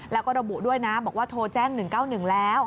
แล้วก็ระบุด้วยนะบอกว่าโทรแจ้ง๑๙๑แล้ว